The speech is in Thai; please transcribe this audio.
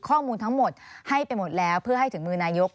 ข้อมูลทั้งหมดให้ไปหมดแล้วเพื่อให้ถึงมือนายก